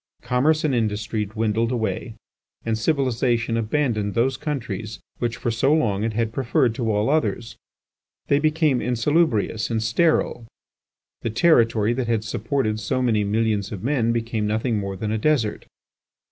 Commerce and industry dwindled away, and civilization abandoned those countries which for so long it had preferred to all others. They became insalubrious and sterile; the territory that had supported so many millions of men became nothing more than a desert.